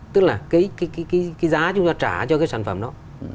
tức là cái giá chúng ta trả cho cái sản phẩm đó